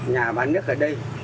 nhà bán nước ở đây